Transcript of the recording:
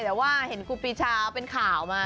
แต่ว่าเห็นครูปีชาเป็นข่าวมา